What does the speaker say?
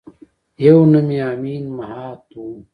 یوه نوم یې امین مهات وه.